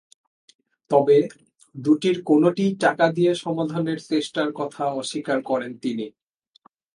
তবে দুটির কোনোটিই টাকা দিয়ে সমাধানের চেষ্টার কথা অস্বীকার করেন তিনি।